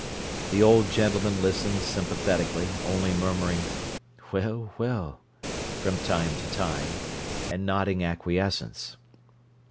The old gentleman listened sympathetically, only murmuring: "Well, well!" from time to time, and nodding acquiescence.